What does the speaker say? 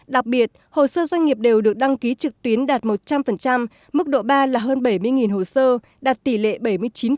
đặc biệt hồ sơ doanh nghiệp đều được đăng ký trực tuyến đạt một trăm linh mức độ ba là hơn bảy mươi hồ sơ đạt tỷ lệ bảy mươi chín